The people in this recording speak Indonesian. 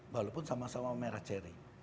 walaupun sama sama merah cherry